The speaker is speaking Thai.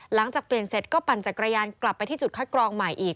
หลังจากเปลี่ยนเสร็จก็ปั่นจักรยานกลับไปที่จุดคัดกรองใหม่อีก